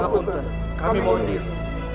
kami akan mencari keberadaan putraku